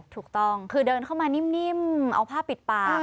ถูกต้องคือเดินเข้ามานิ่มเอาผ้าปิดปาก